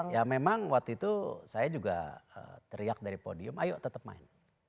ya memang waktu itu saya juga teriak dari podium ayo tetap main